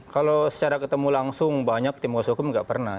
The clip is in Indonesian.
kalau secara ketemu langsung banyak tim kuasa hukum nggak pernah